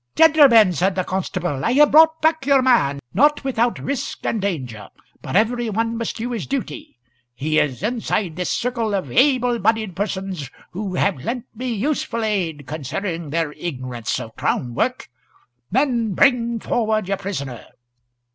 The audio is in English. "Gentlemen," said the constable, "I have brought back your man not without risk and danger, but every one must do his duty. He is inside this circle of able bodied persons, who have lent me useful aid, considering their ignorance of crown work. Men, bring forward your prisoner."